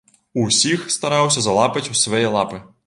Усіх стараўся залапаць у свае лапы.